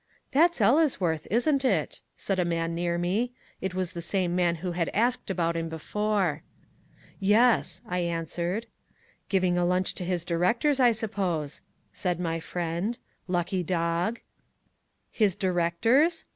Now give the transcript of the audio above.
"That's Ellesworth, isn't it?" said a man near me. It was the same man who had asked about him before. "Yes," I answered. "Giving a lunch to his directors, I suppose," said my friend; "lucky dog." "His directors?"